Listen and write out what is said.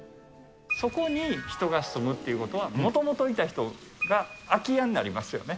そこに人が住むっていうことは、もともといた人が空き家になりますよね。